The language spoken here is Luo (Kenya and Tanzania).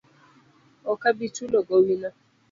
Ok abi chulo gowi no